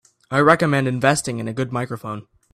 I recommend investing in a good microphone.